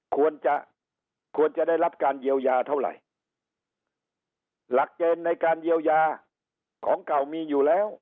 ควรจะควรจะได้รับการเยียวยาเท่าไหร่หลักเกณฑ์ในการเยียวยาของเก่ามีอยู่แล้ว